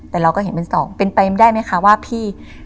แต่เราก็เห็นเป็นสองเป็นไปได้ไหมคะว่าพี่